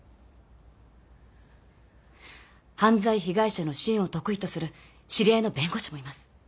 犯罪被害者の支援を得意とする知り合いの弁護士もいます。